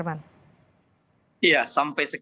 sekarang kami dalam posisi belum menyampaikan itu ya